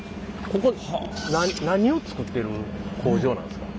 ここ何を作ってる工場なんですか？